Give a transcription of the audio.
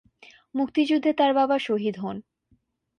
মুক্তিযুদ্ধে তার বাবা শহীদ হোন।